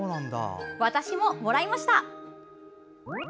私も、もらいました。